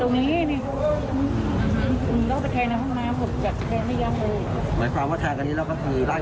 มันได้สับมาว่าผู้ใจอยู่พวกจีน